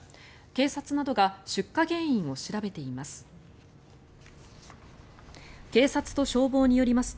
警察などが出火原因を調べています。